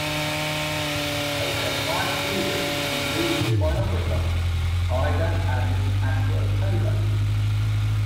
They had five children, including the biographer Ida Alice Ashworth Taylor.